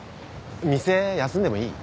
店休んでもいい？